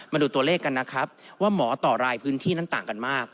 มาดูตัวเลขกันนะครับว่าหมอต่อรายพื้นที่นั้นต่างกันมาก